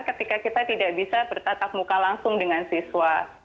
ketika kita tidak bisa bertatap muka langsung dengan siswa